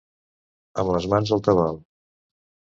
Amb les mans al tabal.